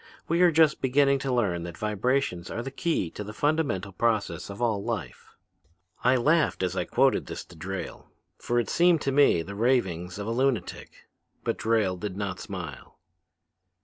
We are just beginning to learn that vibrations are the key to the fundamental process of all life.' "I laughed as I quoted this to Drayle, for it seemed to me the ravings of a lunatic. But Drayle did not smile.